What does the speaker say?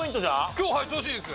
今日はい調子いいです。